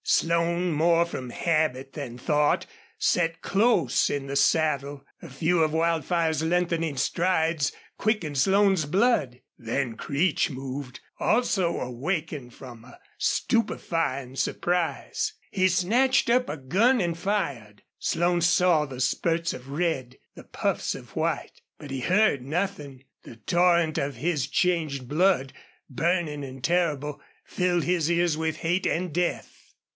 Slone, more from habit than thought, sat close in the saddle. A few of Wildfire's lengthening strides, quickened Slone's blood. Then Creech moved, also awaking from a stupefying surprise, and he snatched up a gun and fired. Slone saw the spurts of red, the puffs of white. But he heard nothing. The torrent of his changed blood, burning and terrible, filled his ears with hate and death.